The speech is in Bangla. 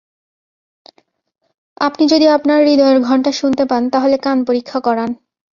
আপনি যদি আপনার হূদয়ের ঘণ্টা শুনতে পান, তাহলে কান পরীক্ষা করান।